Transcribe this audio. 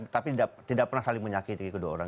tapi tidak pernah saling menyakiti kedua orang